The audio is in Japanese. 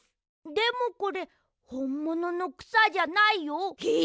でもこれほんもののくさじゃないよ？え！？